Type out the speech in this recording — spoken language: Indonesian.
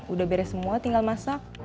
udah beres semua tinggal masak